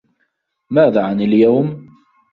ماذا عن اليوم؟